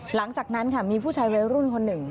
หลังจากนั้นค่ะมีผู้ชายวัยรุ่นคนหนึ่ง